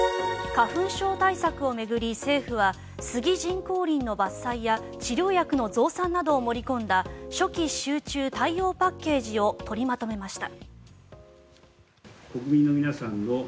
花粉症対策を巡り、政府は杉人工林の伐採や治療薬の増産などを盛り込んだ初期集中対応パッケージを取りまとめました。